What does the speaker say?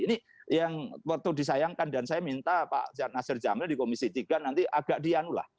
ini yang waktu disayangkan dan saya minta pak nasir jamil di komisi tiga nanti agak dianula